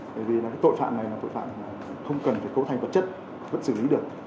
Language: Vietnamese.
bởi vì tội phạm này là tội phạm không cần phải cấu thành vật chất vẫn xử lý được